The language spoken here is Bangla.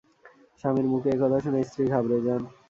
স্বামীর মুখে এ কথা শুনে স্ত্রী ঘাবড়ে যান।